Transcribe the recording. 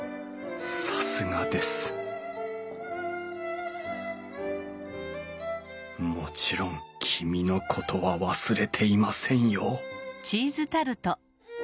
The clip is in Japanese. さすがですもちろん君のことは忘れていませんよ